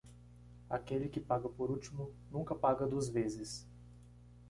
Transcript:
Aquele que paga por último nunca paga duas vezes.